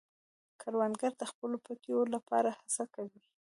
کروندګر د خپلو پټیو لپاره هڅه کوي